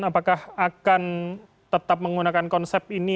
apakah akan tetap menggunakan konsep ini